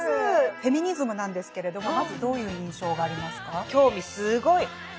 フェミニズムなんですけれどもまずどういう印象がありますか？